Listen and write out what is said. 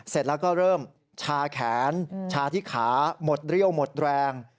เสร็จแล้วก็เริ่มชาแขนชาที่ขาหมดเรี่ยวหมดแรง